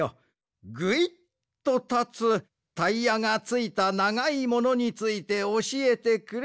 ぐいっとたつタイヤがついたながいものについておしえてくれ。